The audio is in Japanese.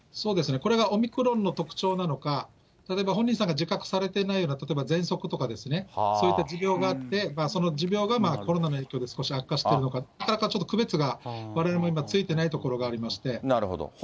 これがオミクロンの特徴なのか、例えば本人さんが自覚されていないような、例えば、ぜんそくとか、そういった持病があって、その持病がコロナの影響で、少し悪化しているのか、なかなかちょっと区別がわれわれも今ついてないところがありましなるほど。